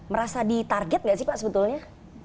merasa di target nggak sih pak sebetulnya